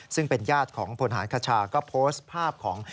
ซึ่งเป็นญาติของพลฐานคชาก็โพสต์ภาพของ